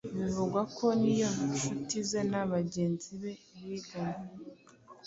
Bivugwa ko n’iyo inshuti ze na bagenzi be biganye